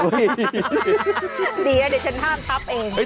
ดีนะเดี๋ยวฉันห้ามทัพเอง